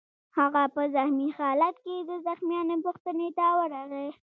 هغه په زخمي خالت کې د زخمیانو پوښتنې ته ورغی